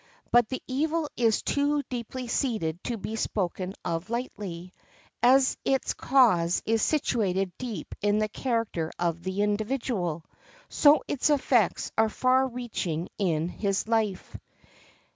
But the evil is too deeply seated to be spoken of lightly. As its cause is situated deep in the character of the individual, so its effects are far reaching in his life.